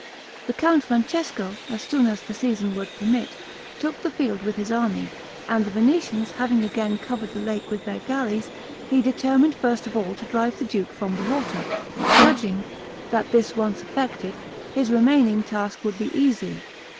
The Count Francesco, as soon as the season would permit, took the field with his army, and the Venetians having again covered the lake with their galleys, he determined first of all to drive the duke from the water; judging, that this once effected, his remaining task would be easy.